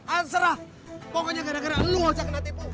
anggap pokoknya gara gara elo ojak kena tipu